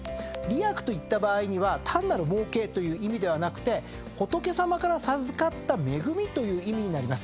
「りやく」といった場合には単なるもうけという意味ではなくて仏様から授かった恵みという意味になります。